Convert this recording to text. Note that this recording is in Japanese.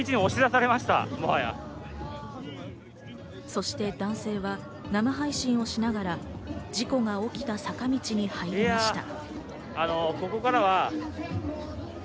そして男性は生配信をしながら事故が起きた坂道に入りました。